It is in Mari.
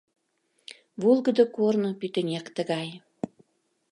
«Волгыдо корно» пӱтынек тыгай.